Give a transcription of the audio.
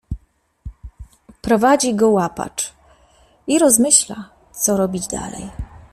Prowadzi go łapacz i rozmyśla, co robić dalej.